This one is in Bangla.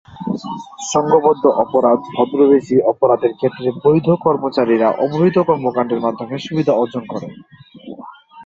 সংঘবদ্ধ অপরাধ ভদ্রবেশী অপরাধের ক্ষেত্রে বৈধ কর্মচারীরা অবৈধ কর্মকান্ডের মাধ্যমে সুবিধা অর্জন করে।